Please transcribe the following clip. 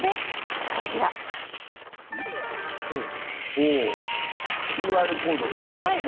おっＱＲコードってやつですね